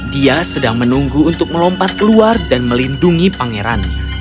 dia sedang menunggu untuk melompat keluar dan melindungi pangeran